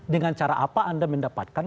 dengan cara apa anda mendapatkan